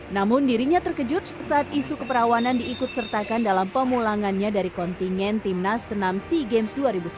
namun dirinya terkejut saat isu keperawanan diikut sertakan dalam pemulangannya dari kontingen timnas senam sea games dua ribu sembilan belas